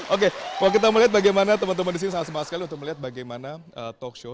oke kalau kita melihat bagaimana teman teman di sini sangat semangat sekali untuk melihat bagaimana talk show